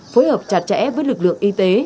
phối hợp chặt chẽ với lực lượng y tế